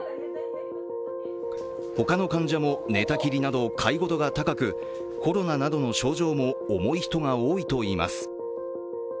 他の患者も、寝たきりなど介護度が高く、コロナなどの症状も重い人が多いといいます。